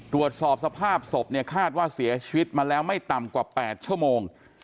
ตรวจสอบสภาพศพเนี่ยคาดว่าเสียชีวิตมาแล้วไม่ต่ำกว่า๘ชั่วโมง